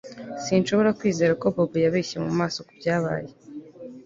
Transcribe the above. Sinshobora kwizera ko Bobo yabeshye mu maso ku byabaye